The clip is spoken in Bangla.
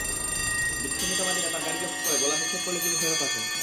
বিচ্ছিন্নতাবাদীরা তাঁর গাড়ি লক্ষ্য করে গোলা নিক্ষেপ করলে তিনি ফেরত আসেন।